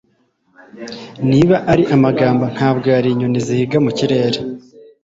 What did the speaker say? niba ari amagambo ntabwo yari inyoni zihiga mu kirere